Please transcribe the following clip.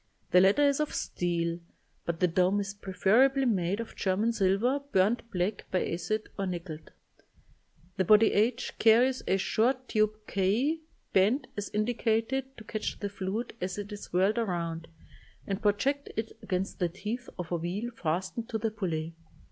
The latter is of steel, but the dome is preferably made of German silver burnt black by acid or nickeled. The body h carries a short tube k bent, as indicated, to catch the fluid as it is whirled around, and project it against the teeth of a wheel fastened to the pulley.